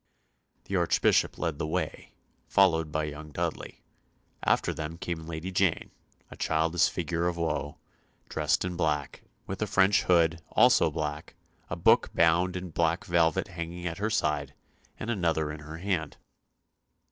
The Archbishop led the way, followed by young Dudley. After them came Lady Jane, a childish figure of woe, dressed in black, with a French hood, also black, a book bound in black velvet hanging at her side, and another in her hand.